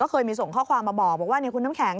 เคยมีส่งข้อความมาบอกว่าคุณน้ำแข็ง